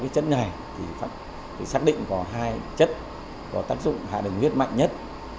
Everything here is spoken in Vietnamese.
thử tác dụng sinh học các chất này xác định có hai chất có tác dụng hạ đường huyết mạnh nhất